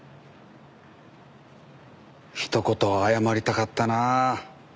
ひと言謝りたかったなあ。